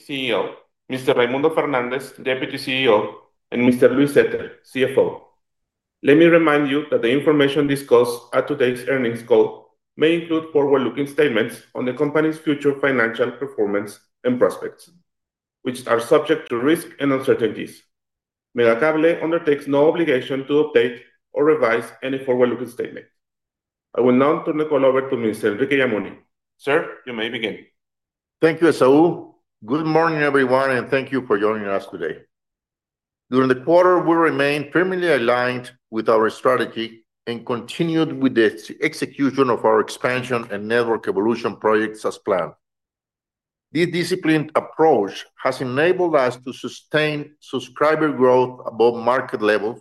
CEO, Mr. Raymundo Fernández, Deputy CEO, and Mr. Luis Zetter, CFO. Let me remind you that the information discussed at today's earnings call may include forward-looking statements on the company's future financial performance and prospects, which are subject to risk and uncertainties. Megacable undertakes no obligation to update or revise any forward-looking statement. I will now turn the call over to Mr. Enrique Yamuni. Sir, you may begin. Thank you, Esau. Good morning, everyone, and thank you for joining us today. During the quarter, we remained firmly aligned with our strategy and continued with the execution of our expansion and network evolution projects as planned. This disciplined approach has enabled us to sustain subscriber growth above market levels,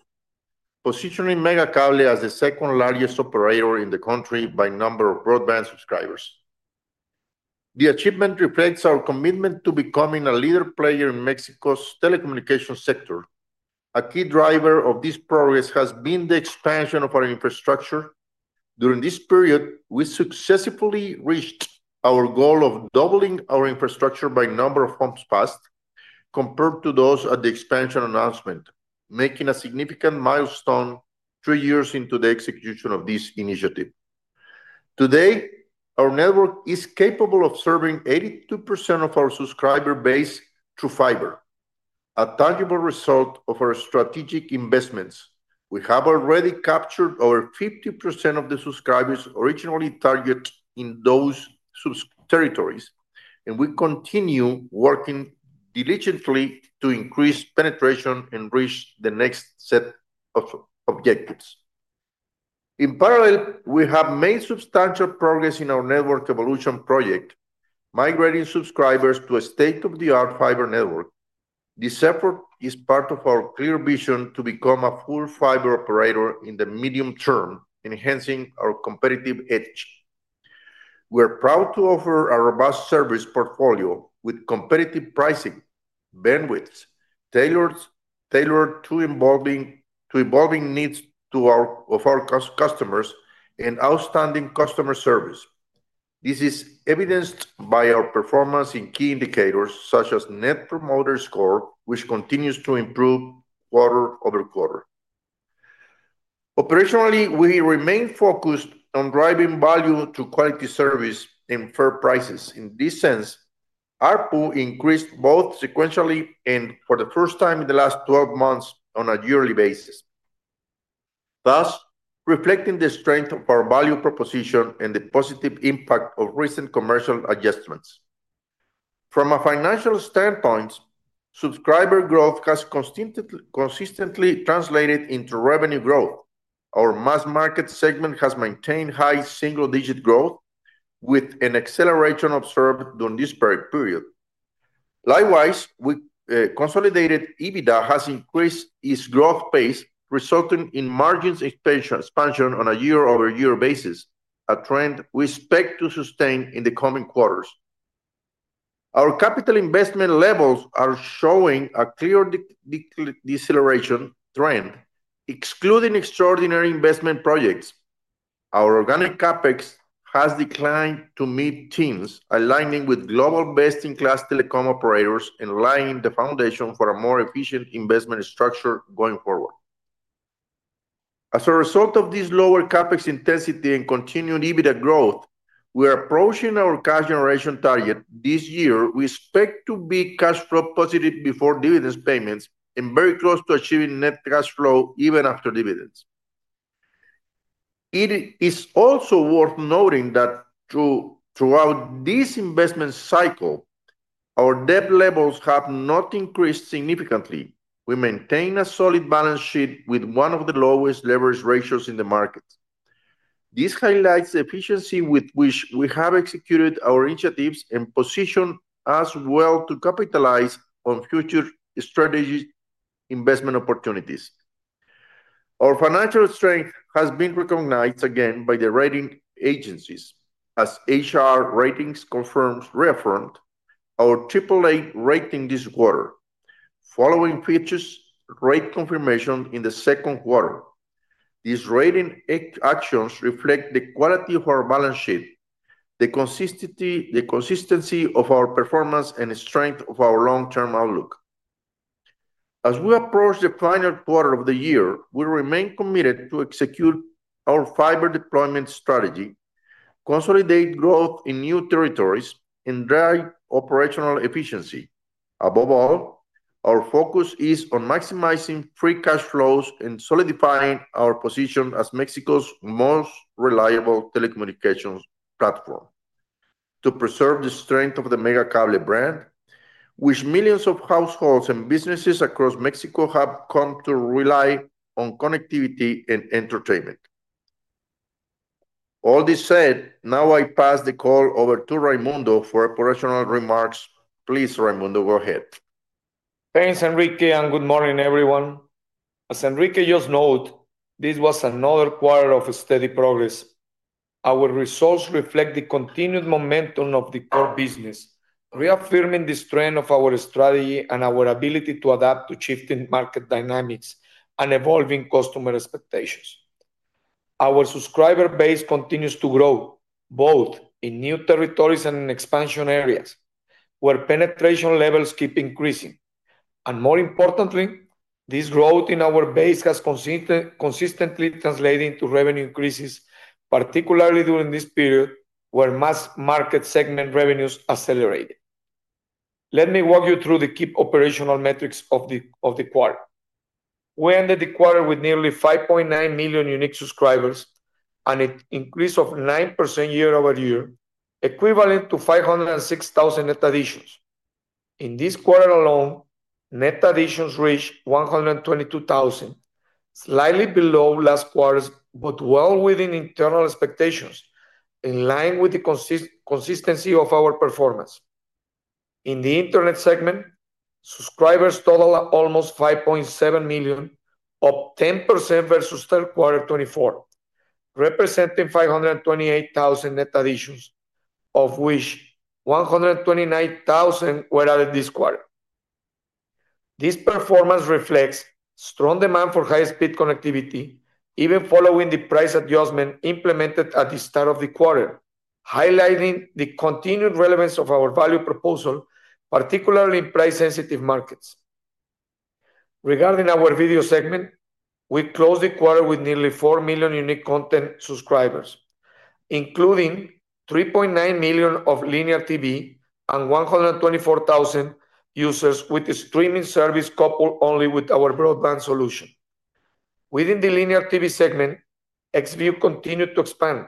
positioning Megacable as the second largest operator in the country by number of broadband subscribers. The achievement reflects our commitment to becoming a leader player in Mexico's telecommunications sector. A key driver of this progress has been the expansion of our infrastructure. During this period, we successfully reached our goal of doubling our infrastructure by number of hubs passed compared to those at the expansion announcement, making a significant milestone three years into the execution of this initiative. Today, our network is capable of serving 82% of our subscriber base through fiber, a tangible result of our strategic investments. We have already captured over 50% of the subscribers originally targeted in those sub-territories, and we continue working diligently to increase penetration and reach the next set of objectives. In parallel, we have made substantial progress in our network evolution project, migrating subscribers to a state-of-the-art fiber network. This effort is part of our clear vision to become a full fiber operator in the medium term, enhancing our competitive edge. We are proud to offer a robust service portfolio with competitive pricing, bandwidth tailored to evolving needs of our customers, and outstanding customer service. This is evidenced by our performance in key indicators such as Net Promoter Score, which continues to improve quarter over quarter. Operationally, we remain focused on driving value to quality service and fair prices. In this sense, our ARPU increased both sequentially and for the first time in the last 12 months on a yearly basis, thus reflecting the strength of our value proposition and the positive impact of recent commercial adjustments. From a financial standpoint, subscriber growth has consistently translated into revenue growth. Our mass market segment has maintained high single-digit growth, with an acceleration observed during this period. Likewise, consolidated EBITDA has increased its growth pace, resulting in margins expansion on a year-over-year basis, a trend we expect to sustain in the coming quarters. Our capital investment levels are showing a clear deceleration trend, excluding extraordinary investment projects. Our organic CapEx has declined to mid-teens, aligning with global best-in-class telecom operators and laying the foundation for a more efficient investment structure going forward. As a result of this lower CapEx intensity and continued EBITDA growth, we are approaching our cash generation target this year. We expect to be cash flow positive before dividends payments and very close to achieving net cash flow even after dividends. It is also worth noting that throughout this investment cycle, our debt levels have not increased significantly. We maintain a solid balance sheet with one of the lowest leverage ratios in the market. This highlights the efficiency with which we have executed our initiatives and position as well to capitalize on future strategic investment opportunities. Our financial strength has been recognized again by the rating agencies, as HR Ratings confirmed, reaffirmed our AAA rating this quarter, following Fitch Ratings' rate confirmation in the second quarter. These rating actions reflect the quality of our balance sheet, the consistency of our performance, and the strength of our long-term outlook. As we approach the final quarter of the year, we remain committed to execute our fiber deployment strategy, consolidate growth in new territories, and drive operational efficiency. Above all, our focus is on maximizing free cash flows and solidifying our position as Mexico's most reliable telecommunications platform to preserve the strength of the Megacable brand, which millions of households and businesses across Mexico have come to rely on for connectivity and entertainment. All this said, now I pass the call over to Raymundo for operational remarks. Please, Raymundo, go ahead. Thanks, Enrique, and good morning, everyone. As Enrique just noted, this was another quarter of steady progress. Our results reflect the continued momentum of the core business, reaffirming the strength of our strategy and our ability to adapt to shifting market dynamics and evolving customer expectations. Our subscriber base continues to grow both in new territories and in expansion areas where penetration levels keep increasing. More importantly, this growth in our base has consistently translated into revenue increases, particularly during this period where mass market segment revenues accelerated. Let me walk you through the key operational metrics of the quarter. We ended the quarter with nearly 5.9 million unique subscribers and an increase of 9% year over year, equivalent to 506,000 net additions. In this quarter alone, net additions reached 122,000, slightly below last quarter, but well within internal expectations in line with the consistency of our performance. In the Internet segment, subscribers totaled almost 5.7 million, up 10% versus third quarter 2024, representing 528,000 net additions, of which 129,000 were added this quarter. This performance reflects strong demand for high-speed connectivity, even following the price adjustment implemented at the start of the quarter, highlighting the continued relevance of our value proposal, particularly in price-sensitive markets. Regarding our Video segment, we closed the quarter with nearly 4 million unique content subscribers, including 3.9 million of linear TV and 124,000 users with the streaming service coupled only with our broadband solution. Within the linear TV segment, XView Platform continued to expand,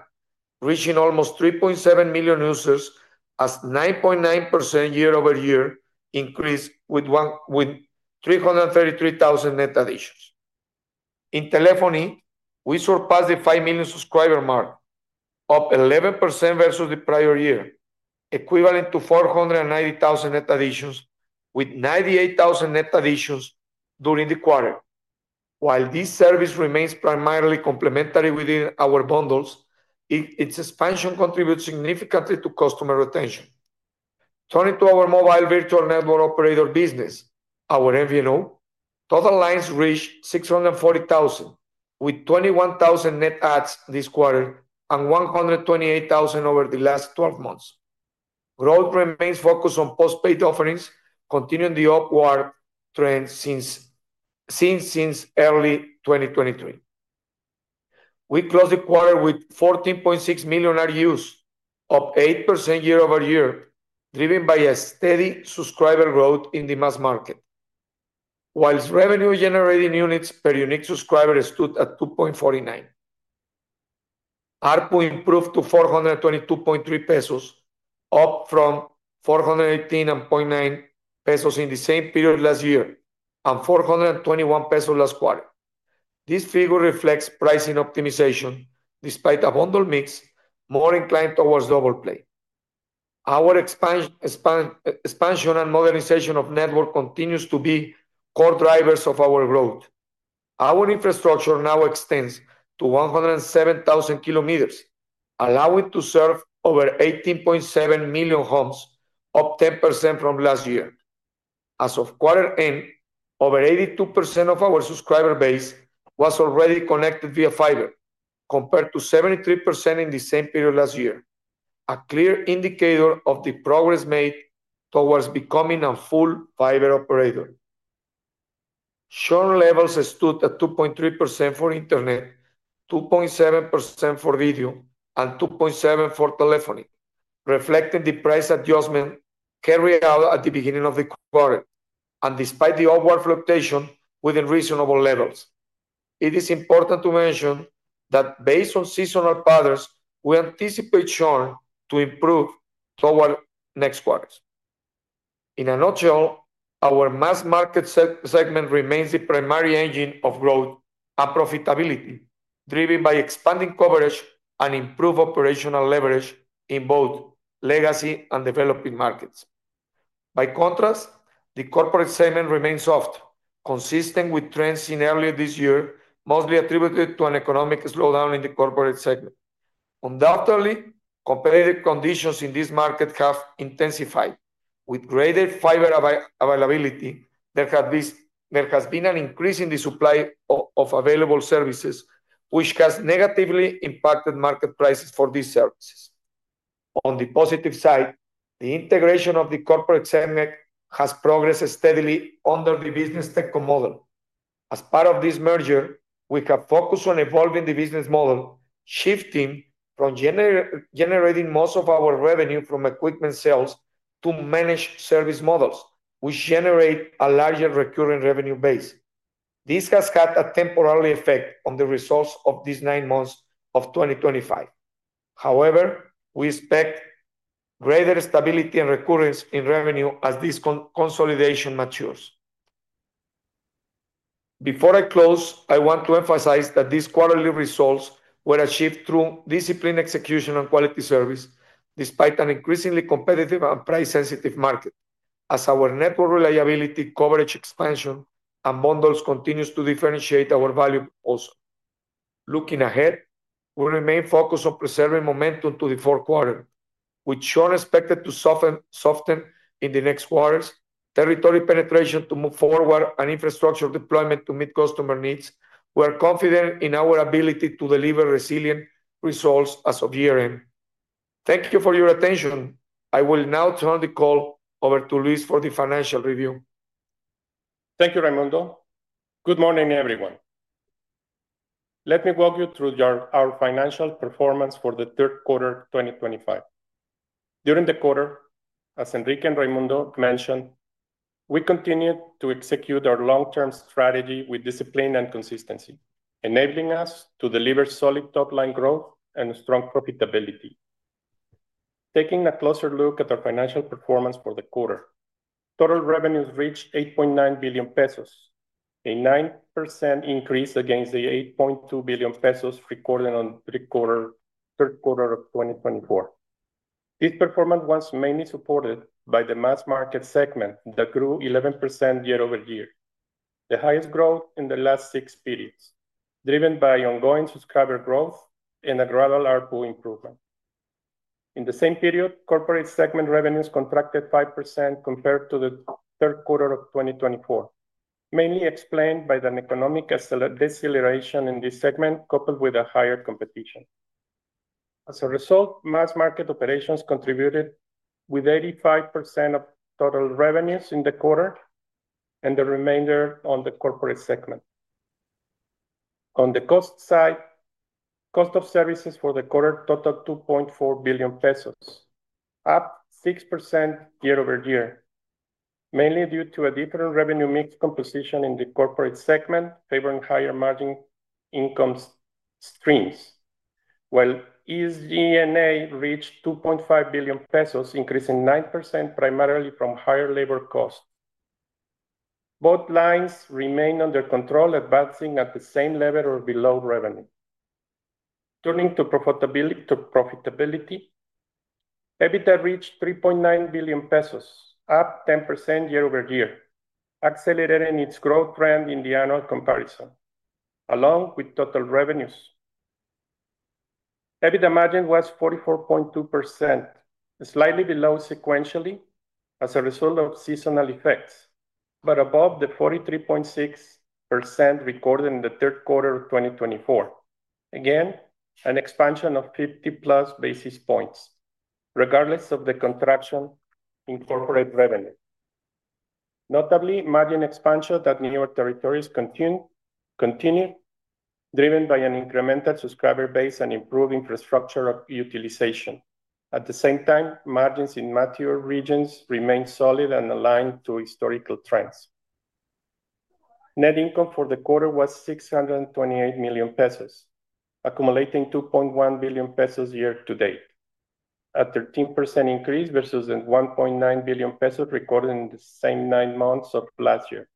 reaching almost 3.7 million users, as 9.9% year over year increased with 333,000 net additions. In Telephony, we surpassed the 5 million subscriber mark, up 11% versus the prior year, equivalent to 490,000 net additions, with 98,000 net additions during the quarter. While this service remains primarily complementary within our bundles, its expansion contributes significantly to customer retention. Turning to our mobile virtual network operator business, our MVNO, total lines reached 640,000, with 21,000 net adds this quarter and 128,000 over the last 12 months. Growth remains focused on postpaid offerings, continuing the upward trend since early 2023. We closed the quarter with 14.6 million RUs, up 8% year over year, driven by a steady subscriber growth in the mass market, whilst revenue-generating units per unique subscriber stood at 2.49. ARPU improved to 422.3 pesos, up from 418.9 pesos in the same period last year, and 421 pesos last quarter. This figure reflects pricing optimization, despite a bundle mix more inclined towards double play. Our expansion and modernization of the network continue to be core drivers of our growth. Our infrastructure now extends to 107,000 kilometers, allowing it to serve over 18.7 million homes, up 10% from last year. As of quarter end, over 82% of our subscriber base was already connected via fiber, compared to 73% in the same period last year, a clear indicator of the progress made towards becoming a full fiber operator. Churn levels stood at 2.3% for Internet, 2.7% for Video, and 2.7% for Telephony, reflecting the price adjustment carried out at the beginning of the quarter and despite the upward fluctuation within reasonable levels. It is important to mention that based on seasonal patterns, we anticipate churn to improve throughout next quarters. In a nutshell, our mass market segment remains the primary engine of growth and profitability, driven by expanding coverage and improved operational leverage in both legacy and developing markets. By contrast, the corporate segment remains soft, consistent with trends seen earlier this year, mostly attributed to an economic slowdown in the corporate segment. Undoubtedly, competitive conditions in this market have intensified, with greater fiber availability. There has been an increase in the supply of available services, which has negatively impacted market prices for these services. On the positive side, the integration of the corporate segment has progressed steadily under the business tech model. As part of this merger, we have focused on evolving the business model, shifting from generating most of our revenue from equipment sales to managed service models, which generate a larger recurring revenue base. This has had a temporary effect on the results of these nine months of 2025. However, we expect greater stability and recurrence in revenue as this consolidation matures. Before I close, I want to emphasize that these quarterly results were achieved through disciplined execution and quality service, despite an increasingly competitive and price-sensitive market, as our network reliability, coverage, expansion, and bundles continue to differentiate our value proposal. Looking ahead, we remain focused on preserving momentum to the fourth quarter, with showing expected to soften in the next quarters, territory penetration to move forward, and infrastructure deployment to meet customer needs. We are confident in our ability to deliver resilient results as of year-end. Thank you for your attention. I will now turn the call over to Luis for the financial review. Thank you, Raymundo. Good morning, everyone. Let me walk you through our financial performance for the third quarter 2025. During the quarter, as Enrique and Raymundo mentioned, we continued to execute our long-term strategy with discipline and consistency, enabling us to deliver solid top-line growth and strong profitability. Taking a closer look at our financial performance for the quarter, total revenues reached 8.9 billion pesos, a 9% increase against the 8.2 billion pesos recorded in the third quarter of 2024. This performance was mainly supported by the mass market segment that grew 11% year over year, the highest growth in the last six periods, driven by ongoing subscriber growth and a gradual ARPU improvement. In the same period, corporate segment revenues contracted 5% compared to the third quarter of 2024, mainly explained by the economic deceleration in this segment coupled with higher competition. As a result, mass market operations contributed 85% of total revenues in the quarter and the remainder in the corporate segment. On the cost side, cost of services for the quarter totaled 2.4 billion pesos, up 6% year over year, mainly due to a different revenue mix composition in the corporate segment favoring higher margin income streams, while EG&A reached 2.5 billion pesos, increasing 9% primarily from higher labor costs. Both lines remain under control, advancing at the same level or below revenue. Turning to profitability, EBITDA reached 3.9 billion pesos, up 10% year over year, accelerating its growth trend in the annual comparison, along with total revenues. EBITDA margin was 44.2%, slightly below sequentially as a result of seasonal effects, but above the 43.6% recorded in the third quarter of 2024. Again, an expansion of 50 plus basis points, regardless of the contraction in corporate revenue. Notably, margin expansion at newer territories continued, driven by an incremental subscriber base and improved infrastructure utilization. At the same time, margins in mature regions remain solid and aligned to historical trends. Net income for the quarter was 628 million pesos, accumulating 2.1 billion pesos year to date, a 13% increase versus 1.9 billion pesos recorded in the same nine months of last year.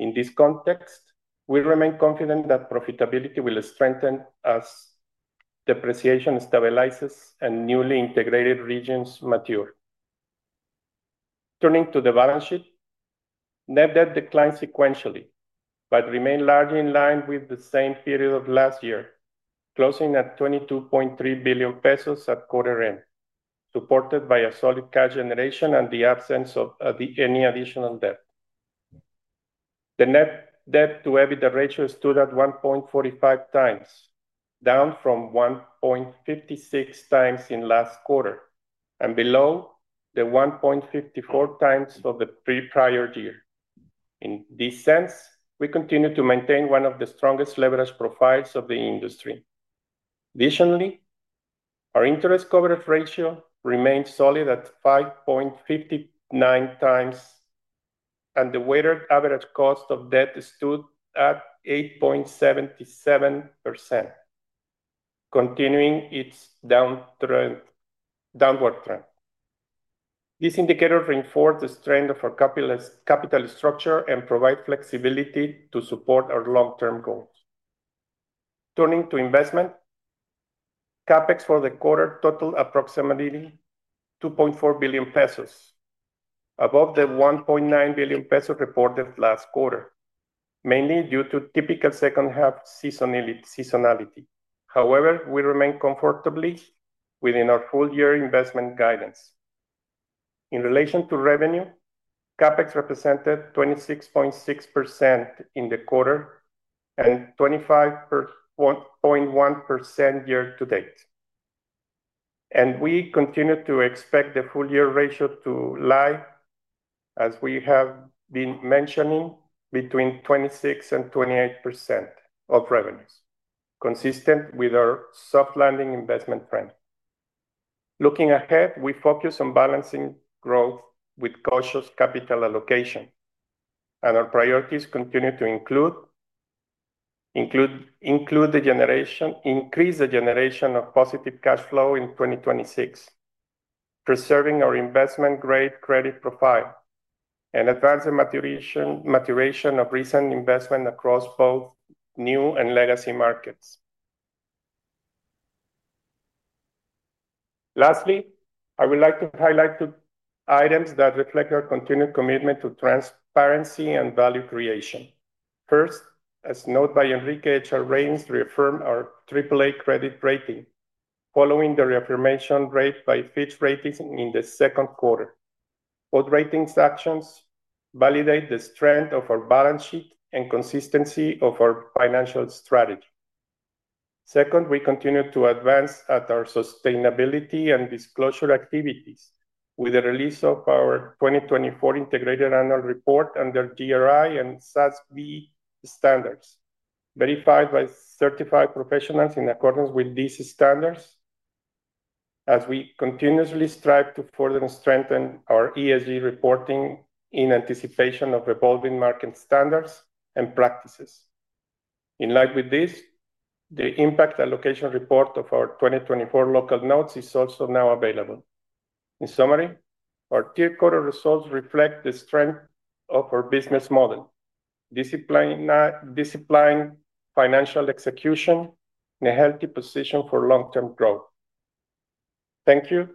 In this context, we remain confident that profitability will strengthen as depreciation stabilizes and newly integrated regions mature. Turning to the balance sheet, net debt declined sequentially, but remained largely in line with the same period of last year, closing at 22.3 billion pesos at quarter end, supported by solid cash generation and the absence of any additional debt. The net debt-to-EBITDA ratio stood at 1.45x, down from 1.56x in last quarter and below the 1.54x of the prior year. In this sense, we continue to maintain one of the strongest leverage profiles of the industry. Additionally, our interest coverage ratio remains solid at 5.59x, and the weighted average cost of debt stood at 8.77%, continuing its downward trend. This indicator reinforces the strength of our capital structure and provides flexibility to support our long-term goals. Turning to investment, CapEx for the quarter totaled approximately 2.4 billion pesos, above the 1.9 billion pesos reported last quarter, mainly due to typical second half seasonality. However, we remain comfortably within our full-year investment guidance. In relation to revenue, CapEx represented 26.6% in the quarter and 25.1% year to date. We continue to expect the full-year ratio to lie, as we have been mentioning, between 26%-28% of revenues, consistent with our soft landing investment trend. Looking ahead, we focus on balancing growth with cautious capital allocation, and our priorities continue to include the generation, increase the generation of positive cash flow in 2026, preserving our investment-grade credit profile, and advancing maturation of recent investment across both new and legacy markets. Lastly, I would like to highlight two items that reflect our continued commitment to transparency and value creation. First, as noted by Enrique Yamuni, HR Ratings reaffirmed our AAA credit rating, following the reaffirmation rate by Fitch Ratings in the second quarter. Both ratings actions validate the strength of our balance sheet and consistency of our financial strategy. Second, we continue to advance at our sustainability and disclosure activities with the release of our 2024 Integrated Annual Report under GRI and SASB standards, verified by certified professionals in accordance with these standards, as we continuously strive to further strengthen our ESG reporting in anticipation of evolving market standards and practices. In line with this, the impact allocation report of our 2024 local notes is also now available. In summary, our third quarter results reflect the strength of our business model, disciplined financial execution, and a healthy position for long-term growth. Thank you.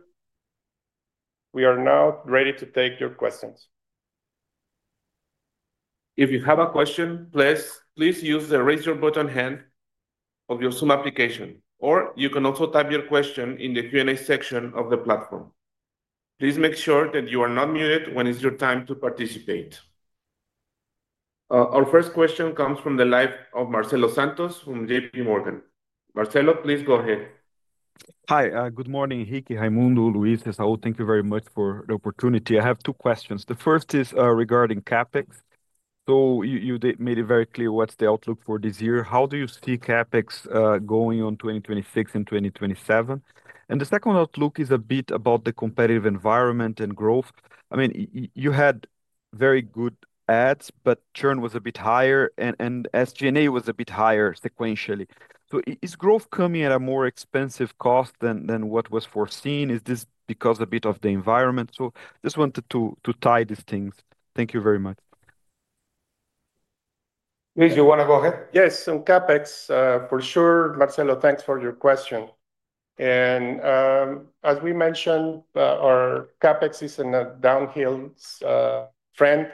We are now ready to take your questions. If you have a question, please use the raise your hand button of your Zoom application, or you can also type your question in the Q&A section of the platform. Please make sure that you are not muted when it's your time to participate. Our first question comes from the line of Marcelo Santos from JPMorgan. Marcelo, please go ahead. Hi, good morning. Enrique Yamuni, Luis, and Esau, thank you very much for the opportunity. I have two questions. The first is regarding CapEx. You made it very clear what's the outlook for this year. How do you see CapEx going on 2026 and 2027? The second outlook is a bit about the competitive environment and growth. I mean, you had very good ads, but churn was a bit higher, and SG&A was a bit higher sequentially. Is growth coming at a more expensive cost than what was foreseen? Is this because a bit of the environment? I just wanted to tie these things. Thank you very much. Luis, you want to go ahead? Yes, on CapEx, for sure. Marcelo, thanks for your question. As we mentioned, our CapEx is in a downhill trend.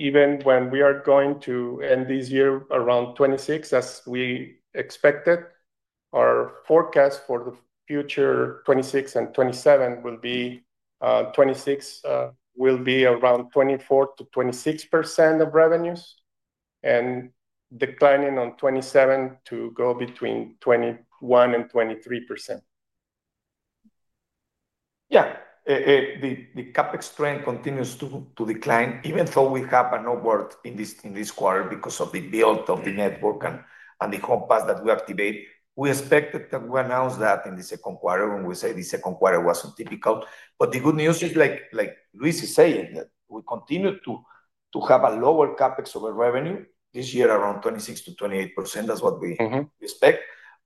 Even when we are going to end this year around 26%, as we expected, our forecast for the future, 2026 and 2027, will be around 24%-26% of revenues, and declining in 2027 to go between 21%-23%. Yeah, the CapEx trend continues to decline, even though we have an upward in this quarter because of the build of the network and the home pass that we activate. We expected that, we announce that in the second quarter, and we say the second quarter wasn't typical. The good news is, like Luis is saying, that we continue to have a lower CapEx-to-revenue ratio this year, around 26%-28%. That's what we expect.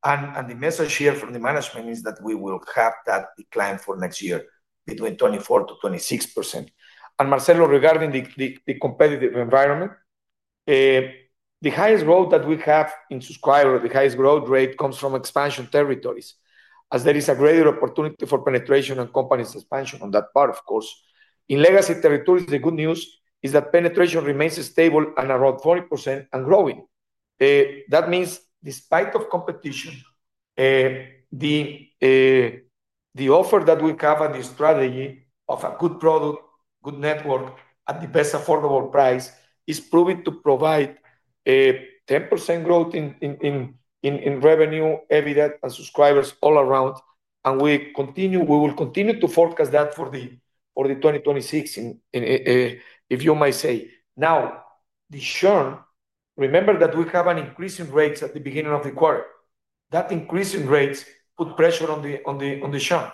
The message here from the management is that we will have that decline for next year between 24%-26%. Marcelo, regarding the competitive environment, the highest growth that we have in subscribers, the highest growth rate comes from expansion territories, as there is a greater opportunity for penetration and companies' expansion on that part, of course. In legacy territories, the good news is that penetration remains stable at around 40% and growing. That means, despite competition, the offer that we have and the strategy of a good product, good network, at the best affordable price is proving to provide 10% growth in revenue, EBITDA, and subscribers all around. We will continue to forecast that for 2026, if you might say. Now, the churn, remember that we have an increase in rates at the beginning of the quarter. That increase in rates puts pressure on the churn.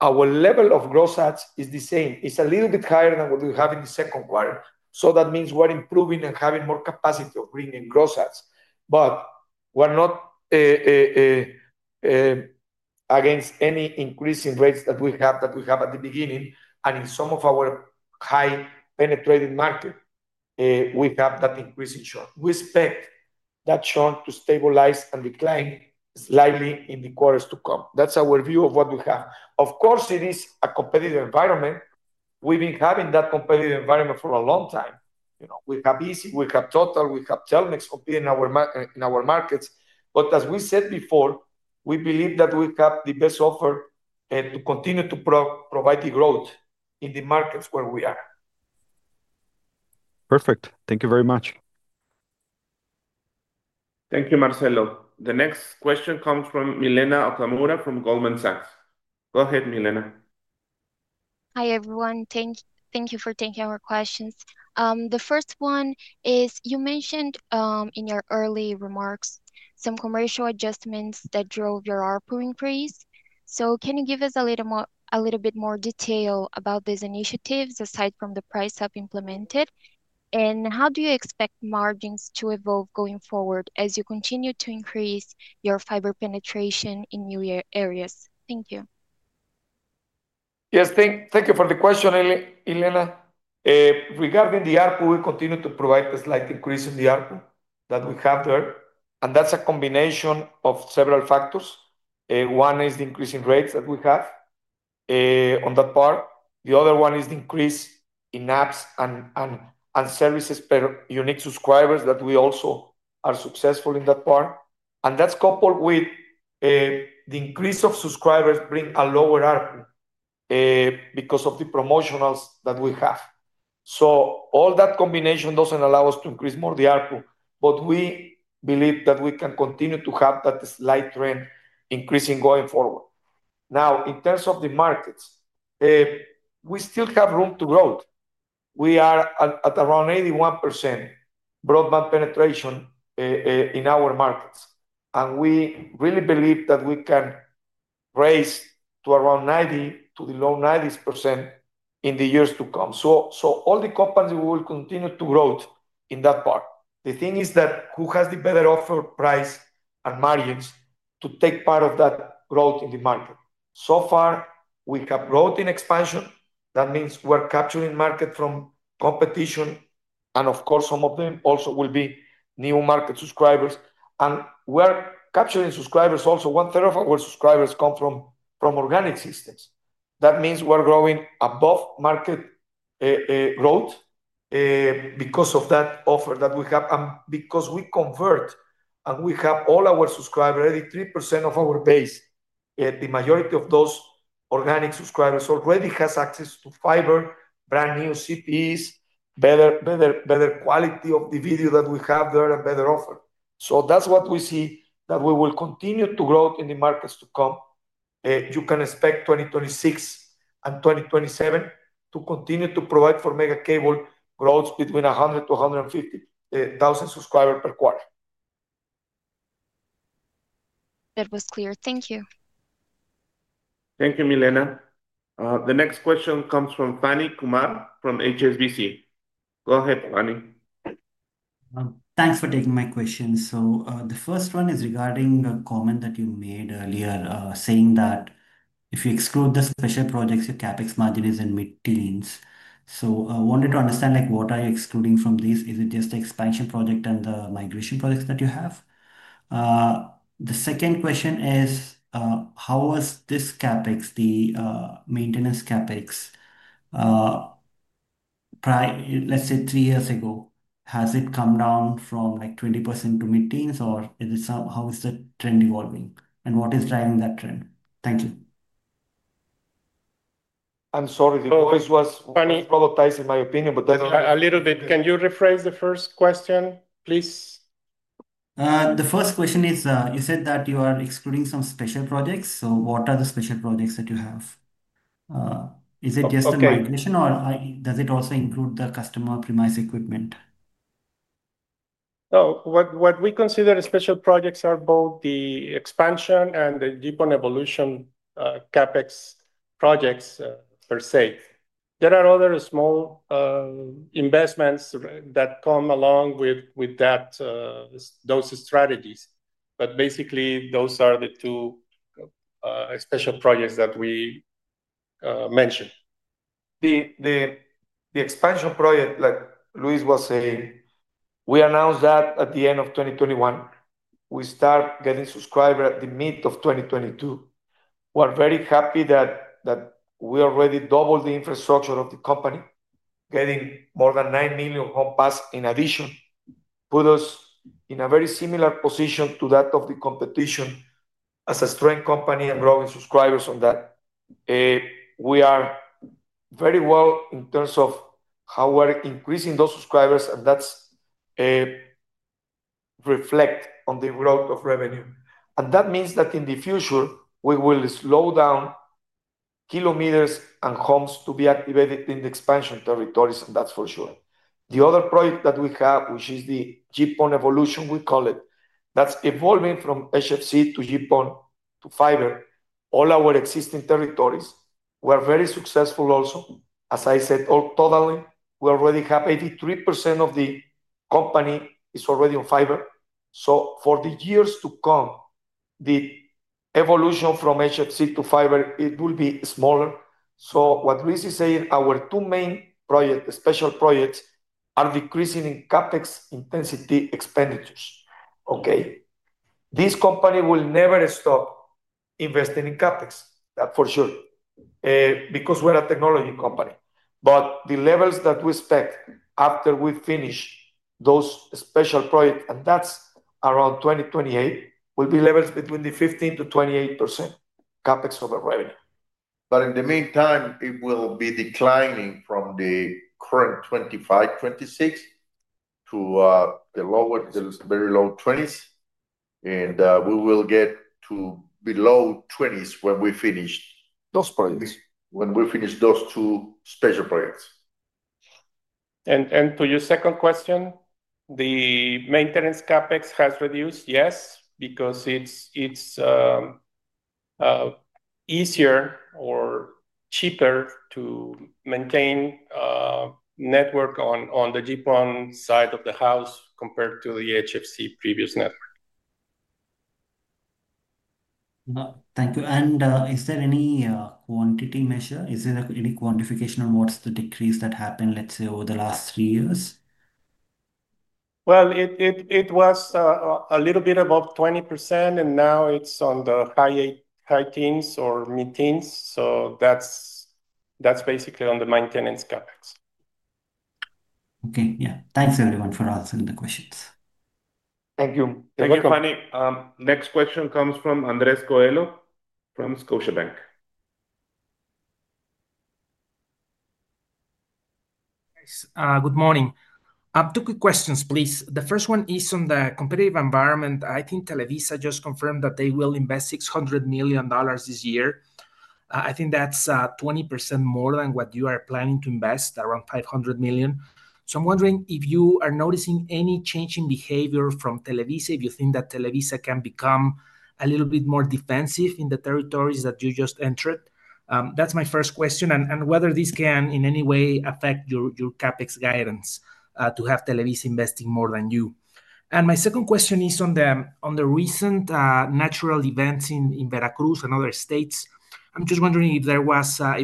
Our level of gross ads is the same. It's a little bit higher than what we have in the second quarter. That means we're improving and having more capacity of bringing in gross ads. We're not against any increase in rates that we have at the beginning. In some of our high penetrated markets, we have that increase in churn. We expect that churn to stabilize and decline slightly in the quarters to come. That's our view of what we have. It is a competitive environment. We've been having that competitive environment for a long time. We have Izzi, we have Totalplay, we have Telmex competing in our markets. As we said before, we believe that we have the best offer to continue to provide the growth in the markets where we are. Perfect. Thank you very much. Thank you, Marcelo. The next question comes from Milenna Okamura from Goldman Sachs. Go ahead, Milenna. Hi, everyone. Thank you for taking our questions. The first one is, you mentioned in your early remarks some commercial adjustments that drove your ARPU increase. Can you give us a little bit more detail about these initiatives aside from the price up implemented? How do you expect margins to evolve going forward as you continue to increase your fiber penetration in new areas? Thank you. Yes, thank you for the question, Milena. Regarding the ARPU, we continue to provide a slight increase in the ARPU that we have there. That's a combination of several factors. One is the increase in rates that we have on that part. The other one is the increase in apps and services per unique subscribers that we also are successful in that part. That's coupled with the increase of subscribers bringing a lower ARPU because of the promotionals that we have. All that combination doesn't allow us to increase more the ARPU, but we believe that we can continue to have that slight trend increasing going forward. Now, in terms of the markets, we still have room to grow. We are at around 81% broadband penetration in our markets. We really believe that we can raise to around 90%, to the low 90% in the years to come. All the companies will continue to grow in that part. The thing is that who has the better offer price and margins to take part of that growth in the market? So far, we have growth in expansion. That means we're capturing market from competition. Of course, some of them also will be new market subscribers. We're capturing subscribers also. One third of our subscribers come from organic systems. That means we're growing above market growth because of that offer that we have and because we convert. We have all our subscribers, 83% of our base. The majority of those organic subscribers already have access to fiber, brand new CPEs, better quality of the video that we have there, and better offer. That's what we see that we will continue to grow in the markets to come. You can expect 2026 and 2027 to continue to provide for Megacable growth between 100,000-150,000 subscribers per quarter. That was clear. Thank you. Thank you, Milena. The next question comes from Phani Kumar from HSBC. Go ahead, Phani. Thanks for taking my question. The first one is regarding the comment that you made earlier, saying that if you exclude the special projects, your CapEx margin is in mid-teens. I wanted to understand, what are you excluding from these? Is it just the expansion project and the migration projects that you have? The second question is, how was this CapEx, the maintenance CapEx, let's say three years ago? Has it come down from 20% to mid-teens, or is it somehow is the trend evolving? What is driving that trend? Thank you. I'm sorry. I was prioritizing my opinion, but can you rephrase the first question, please? The first question is, you said that you are excluding some special projects. What are the special projects that you have? Is it just the network migration, or does it also include the customer-premise equipment? What we consider special projects are both the expansion and the deepened evolution CapEx projects per se. There are other small investments that come along with those strategies. Basically, those are the two special projects that we mentioned. The expansion project, like Luis was saying, we announced that at the end of 2021. We started getting subscribers at the mid of 2022. We're very happy that we already doubled the infrastructure of the company, getting more than 9 million home passes in addition. It puts us in a very similar position to that of the competition as a strength company and growing subscribers on that. We are very well in terms of how we're increasing those subscribers, and that's reflected on the growth of revenue. That means that in the future, we will slow down kilometers and homes to be activated in the expansion territories, and that's for sure. The other project that we have, which is the deepened evolution, we call it, that's evolving from HFC to deepened to fiber. All our existing territories, we're very successful also. As I said, all totally, we already have 83% of the company is already on fiber. For the years to come, the evolution from HFC to fiber, it will be smaller. What Luis is saying, our two main projects, the special projects, are decreasing in CapEx intensity expenditures. This company will never stop investing in CapEx, that's for sure, because we're a technology company. The levels that we expect after we finish those special projects, and that's around 2028, will be levels between the 15%-28% CapEx over revenue. In the meantime, it will be declining from the current 25%, 26% to the very low 20%. We will get to below 20% when we finish those projects, when we finish those two special projects. To your second question, the maintenance CapEx has reduced, yes, because it's easier or cheaper to maintain network on the deepened side of the house compared to the HFC previous network. Thank you. Is there any quantity measure? Is there any quantification on what's the decrease that happened, let's say, over the last three years? It was a little bit above 20%, and now it's on the high teens or mid-teens. That's basically on the maintenance CapEx. Okay. Yeah, thanks, everyone, for answering the questions. Thank you. Thank you. Thank you, Phani. Next question comes from Andres Coello from Scotiabank. Guys, good morning. Two quick questions, please. The first one is on the competitive environment. I think Televisa just confirmed that they will invest MXN 600 million this year. I think that's 20% more than what you are planning to invest, around 500 million. I'm wondering if you are noticing any change in behavior from Televisa, if you think that Televisa can become a little bit more defensive in the territories that you just entered. That's my first question. Whether this can in any way affect your CapEx guidance to have Televisa investing more than you. My second question is on the recent natural events in Veracruz and other states. I'm just wondering if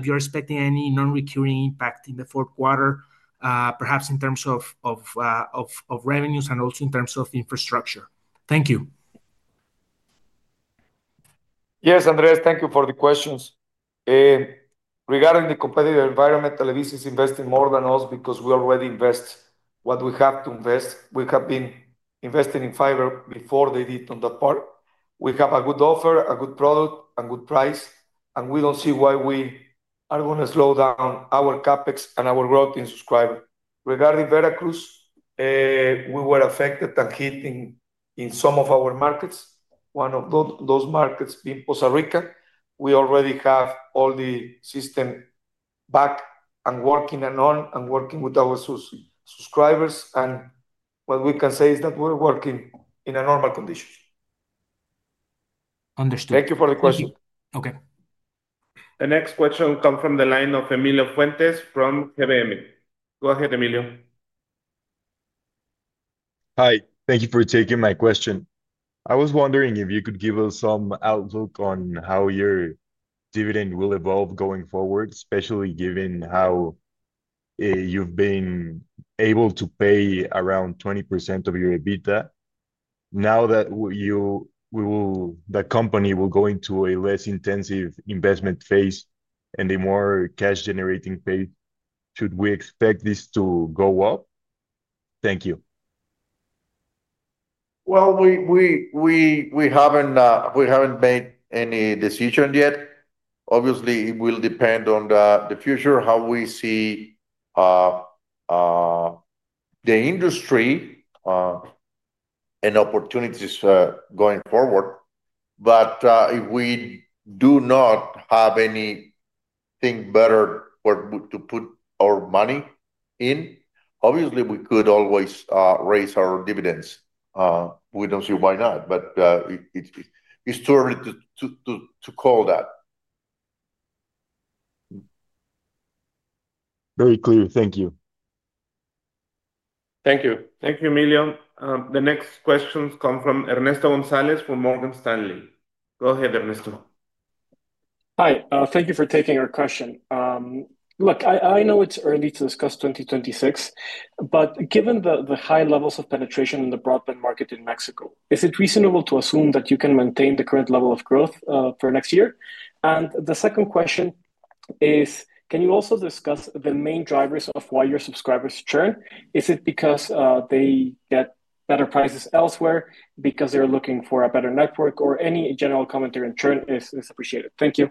you're expecting any non-recurring impact in the fourth quarter, perhaps in terms of revenues and also in terms of infrastructure. Thank you. Yes, Andres, thank you for the questions. Regarding the competitive environment, Televisa is investing more than us because we already invest what we have to invest. We have been investing in fiber before they did on that part. We have a good offer, a good product, and a good price. We do not see why we are going to slow down our CapEx and our growth in subscriber. Regarding Veracruz, we were affected and hit in some of our markets. One of those markets being Costa Rica, we already have all the system back and working with our subscribers. What we can say is that we're working in a normal condition. Understood. Thank you for the question. Okay. The next question comes from the line of Emilio Fuentes from GBM. Go ahead, Emilio. Hi. Thank you for taking my question. I was wondering if you could give us some outlook on how your dividend will evolve going forward, especially given how you've been able to pay around 20% of your EBITDA. Now that the company will go into a less intensive investment phase and a more cash-generating phase, should we expect this to go up? Thank you. We haven't made any decision yet. Obviously, it will depend on the future, how we see the industry and opportunities going forward. If we do not have anything better to put our money in, obviously, we could always raise our dividends. We don't see why not. It's too early to call that. Very clear. Thank you. Thank you. Thank you, Emilio. The next questions come from Ernesto González from Morgan Stanley. Go ahead, Ernesto. Hi. Thank you for taking our question. Look, I know it's early to discuss 2026, but given the high levels of penetration in the broadband market in Mexico, is it reasonable to assume that you can maintain the current level of growth for next year? The second question is, can you also discuss the main drivers of why your subscribers churn? Is it because they get better prices elsewhere, because they're looking for a better network, or any general commentary on churn is appreciated? Thank you.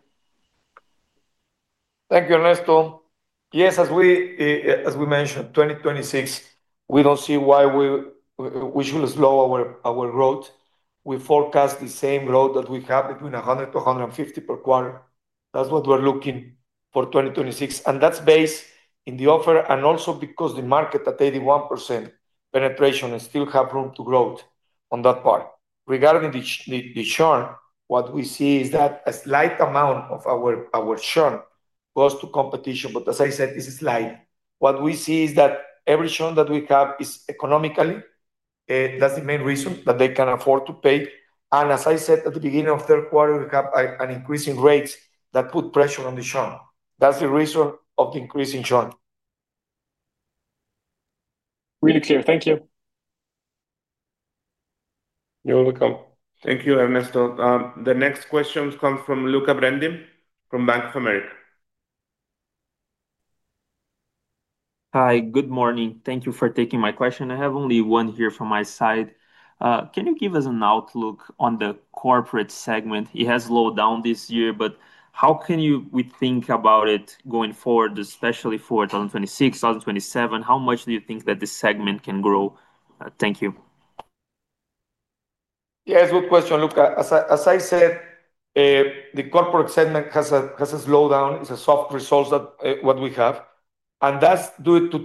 Thank you, Ernesto. Yes, as we mentioned, 2026, we don't see why we should slow our growth. We forecast the same growth that we have between 100%-150% per quarter. That's what we're looking for 2026. That's based in the offer and also because the market at 81% penetration still has room to grow on that part. Regarding the churn, what we see is that a slight amount of our churn goes to competition. What we see is that every churn that we have is economically, that's the main reason that they can afford to pay. As I said at the beginning of the third quarter, we have an increase in rates that puts pressure on the churn. That's the reason of the increase in churn. Really clear. Thank you. You're welcome. Thank you, Ernesto. The next question comes from Lucca Brendim from Bank of America. Hi. Good morning. Thank you for taking my question. I have only one here from my side. Can you give us an outlook on the corporate segment? It has slowed down this year, but how can we think about it going forward, especially for 2026, 2027? How much do you think that this segment can grow? Thank you. Yes, good question, Lucca. As I said, the corporate segment has a slowdown. It's a soft result of what we have. That's due to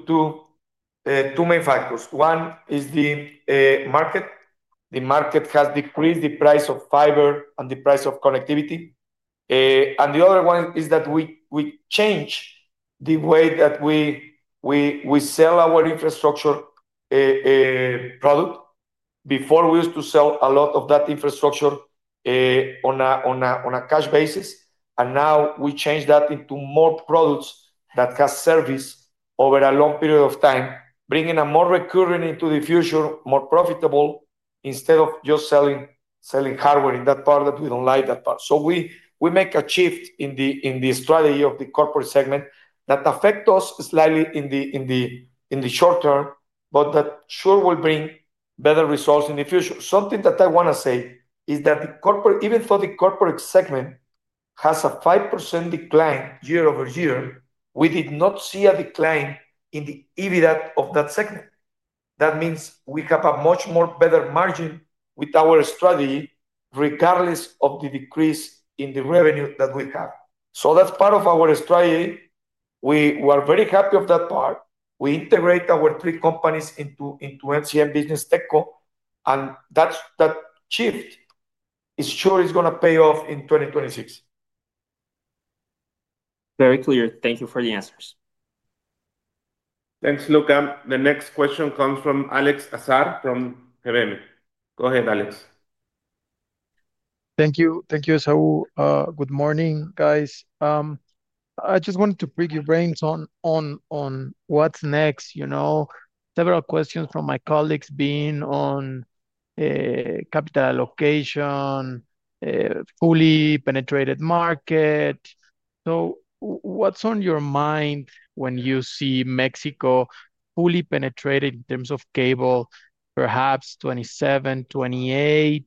two main factors. One is the market. The market has decreased the price of fiber and the price of connectivity. The other one is that we change the way that we sell our infrastructure product. Before, we used to sell a lot of that infrastructure on a cash basis. Now we change that into more products that have served us over a long period of time, bringing a more recurring into the future, more profitable, instead of just selling hardware in that part that we don't like that part. We make a shift in the strategy of the corporate segment that affects us slightly in the short term, but that sure will bring better results in the future. Something that I want to say is that even though the corporate segment has a 5% decline year over year, we did not see a decline in the EBITDA of that segment. That means we have a much more better margin with our strategy, regardless of the decrease in the revenue that we have. That's part of our strategy. We were very happy with that part. We integrate our three companies into MCM Business TechCo. That shift is sure it's going to pay off in 2026. Very clear. Thank you for the answers. Thanks, Lucca. The next question comes from Alex Azar from GBM. Go ahead, Alex. Thank you. Thank you, Esau. Good morning, guys. I just wanted to pick your brains on what's next. Several questions from my colleagues being on capital allocation, fully penetrated market. What's on your mind when you see Mexico fully penetrated in terms of cable, perhaps 2027, 2028?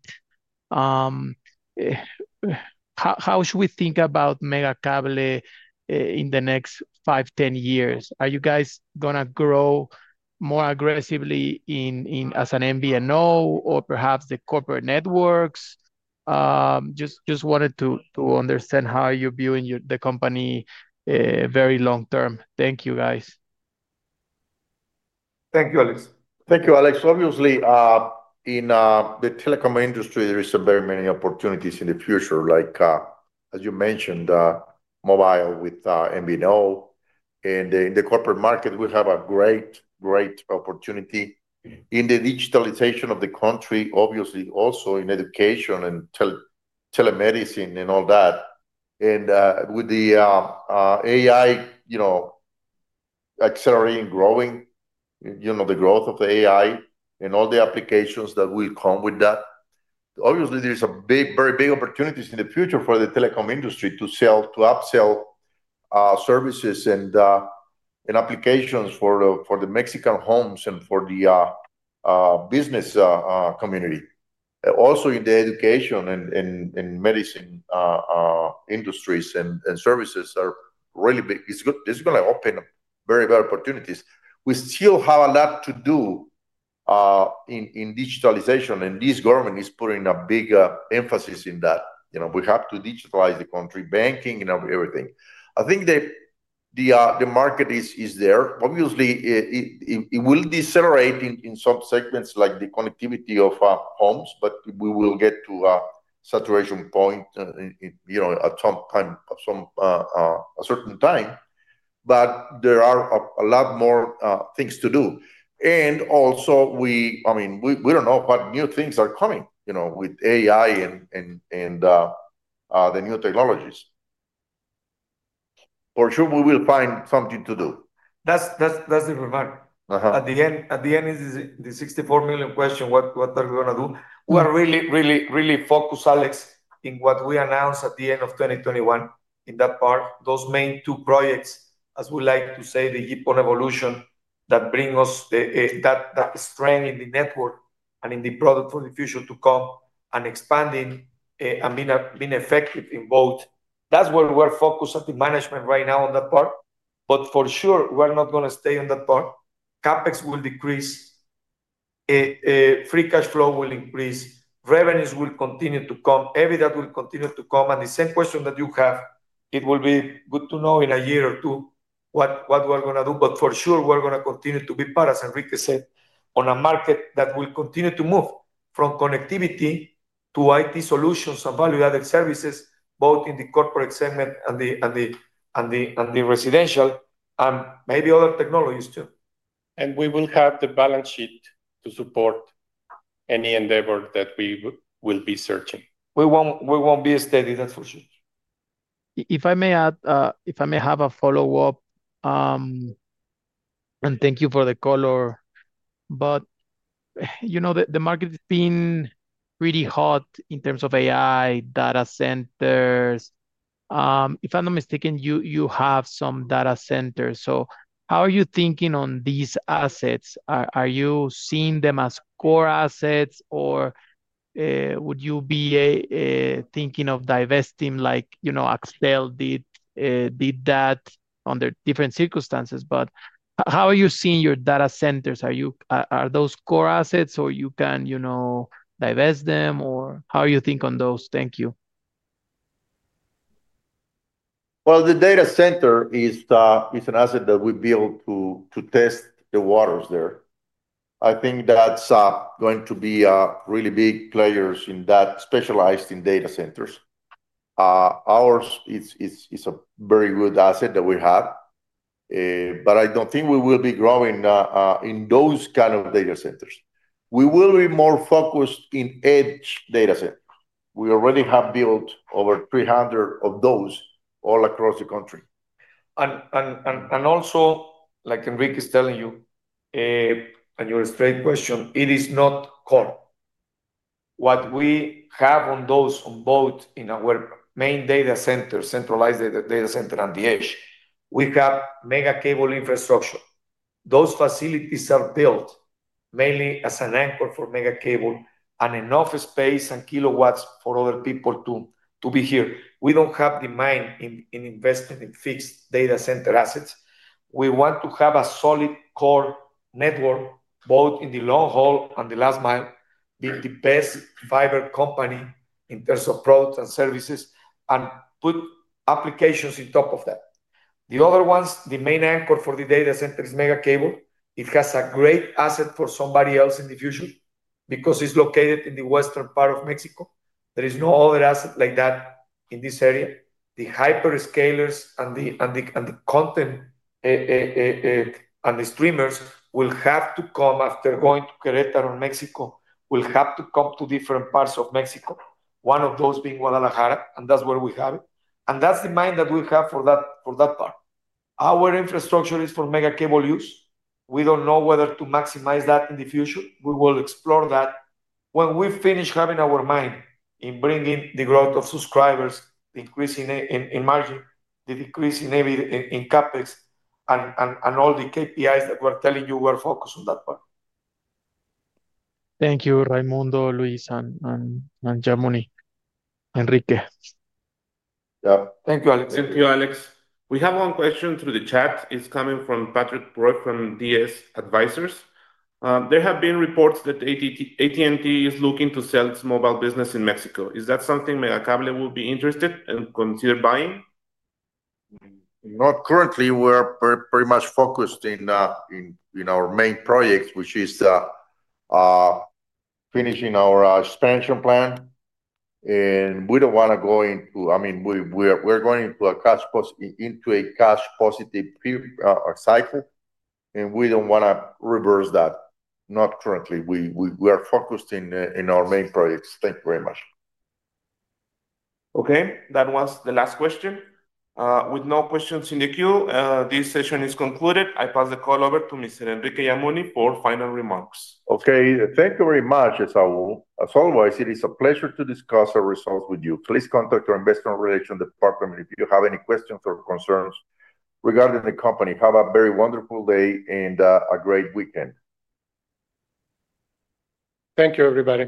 How should we think about Megacable in the next five, ten years? Are you guys going to grow more aggressively as an MVNO or perhaps the corporate networks? I just wanted to understand how you're viewing the company very long term. Thank you, guys. Thank you, Alex. Obviously, in the telecom industry, there are very many opportunities in the future, like, as you mentioned, mobile with MVNO. In the corporate market, we have a great, great opportunity in the digitalization of the country, obviously also in education and telemedicine and all that. With the AI accelerating and growing, you know, the growth of the AI and all the applications that will come with that, obviously, there are very big opportunities in the future for the telecom industry to sell, to upsell services and applications for the Mexican homes and for the business community. Also, in the education and medicine industries and services are really big. It's going to open very big opportunities. We still have a lot to do in digitalization, and this government is putting a big emphasis in that. You know, we have to digitalize the country, banking, you know, everything. I think the market is there. Obviously, it will decelerate in some segments like the connectivity of homes, but we will get to a saturation point, you know, at some certain time. There are a lot more things to do. We don't know what new things are coming, you know, with AI and the new technologies. For sure, we will find something to do. That's the remark. At the end, at the end is the 64 million question, what are we going to do? We are really, really, really focused, Alex, in what we announced at the end of 2021 in that part, those main two projects, as we like to say, the deepened evolution that brings us that strength in the network and in the product for the future to come and expanding and being effective in both. That's where we're focused at the management right now on that part. For sure, we're not going to stay on that part. CapEx will decrease. Free cash flow will increase. Revenues will continue to come. EBITDA will continue to come. The same question that you have, it will be good to know in a year or two what we're going to do. For sure, we're going to continue to be part, as Enrique said, on a market that will continue to move from connectivity to IT solutions and value-added services, both in the corporate segment and the residential and maybe other technologies too. We will have the balance sheet to support any endeavor that we will be searching. We won't be steady, that's for sure. If I may add, if I may have a follow-up, and thank you for the color, the market has been pretty hot in terms of AI, data centers. If I'm not mistaken, you have some data centers. How are you thinking on these assets? Are you seeing them as core assets, or would you be thinking of divesting like, you know, Axtel did that under different circumstances? How are you seeing your data centers? Are those core assets, or you can, you know, divest them, or how are you thinking on those? Thank you. The data center is an asset that we build to test the waters there. I think that's going to be really big players in that specialized in data centers. Ours is a very good asset that we have, but I don't think we will be growing in those kinds of data centers. We will be more focused in edge data centers. We already have built over 300 of those all across the country. Also, like Enrique is telling you and your straight question, it is not core. What we have on those, on both in our main data center, centralized data center and the edge, we have Megacable infrastructure. Those facilities are built mainly as an anchor for Megacable and enough space and kilowatts for other people to be here. We don't have the mind in investing in fixed data center assets. We want to have a solid core network, both in the long haul and the last mile, being the best fiber company in terms of products and services and put applications on top of that. The other ones, the main anchor for the data center is Megacable. It has a great asset for somebody else in the future because it's located in the western part of Mexico. There is no other asset like that in this area. The hyperscalers and the content and the streamers will have to come after going to Querétaro in Mexico. They will have to come to different parts of Mexico, one of those being Guadalajara, and that's where we have it. That's the mind that we have for that part. Our infrastructure is for Megacable use. We don't know whether to maximize that in the future. We will explore that when we finish having our mind in bringing the growth of subscribers, the increase in margin, the decrease in CapEx, and all the KPIs that we're telling you we're focused on that part. Thank you, Raymundo, Luis, and Enrique Yamuni. Yeah, thank you, Alex. Thank you, Alex. We have one question through the chat. It's coming from Patrick Broy from DS Advisors. There have been reports that AT&T is looking to sell its mobile business in Mexico. Is that something Megacable will be interested in considering buying? Not currently. We're pretty much focused on our main project, which is finishing our expansion plan. We don't want to go into a cash positive cycle, and we don't want to reverse that. Not currently. We are focused on our main projects. Thank you very much. Okay. That was the last question. With no questions in the queue, this session is concluded. I pass the call over to Mr. Enrique Yamuni for final remarks. Okay. Thank you very much, as always. It is a pleasure to discuss our results with you. Please contact your Investor Relations department if you have any questions or concerns regarding the company. Have a very wonderful day and a great weekend. Thank you, everybody.